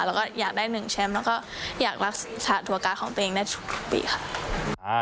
แล้วก็อยากได้หนึ่งแชมป์แล้วก็อยากรักษาตัวการ์ของตัวเองได้ทุกปีค่ะ